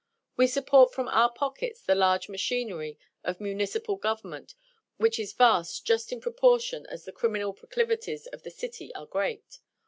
We support from our pockets the large machinery of municipal government, which is vast just in proportion as the criminal proclivities of the city are great.